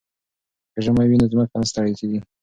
که ژمی وي نو ځمکه نه ستړې کیږي.